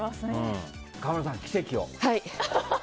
川村さん、奇跡を。